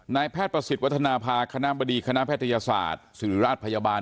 นายแพทย์ประสิทธิ์วัฒนภาคณะบดีคณะแพทยศาสตร์ศิริราชพยาบาล